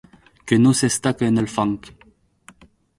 Que no s’estaque en el fang!